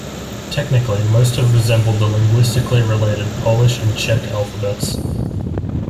Technically, most have resembled the linguistically related Polish and Czech alphabets.